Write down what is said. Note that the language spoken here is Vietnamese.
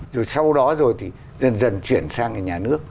rồi sau đó rồi thì dần dần chuyển sang nhà nước